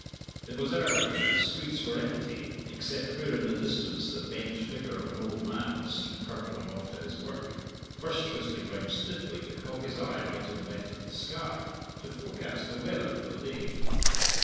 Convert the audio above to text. It was early, and the streets were empty, except where in the distance the bent figure of an old man was seen hirpling off to his work, first twisting round stiffly to cock his eye right and left at the sky, to forecast the weather for the day.